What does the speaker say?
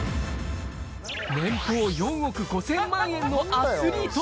年俸４億５０００万円のアスリート。